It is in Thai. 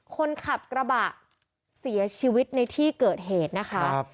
คนขับกระบะเสียชีวิตในที่เกิดเหตุนะคะ